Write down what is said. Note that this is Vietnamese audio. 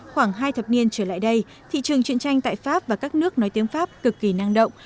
khoảng hai thập niên trở lại đây thị trường chuyện tranh tại pháp và các nước nói tiếng pháp cực kỳ năng động